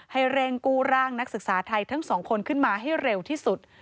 ให้เร่งกู้ร่างนักศึกษาไทยทั้งสองคนขึ้นมาให้เร็วที่สุด